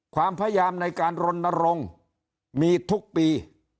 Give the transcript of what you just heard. ความพยายามในการรณรงค์มีทุกปี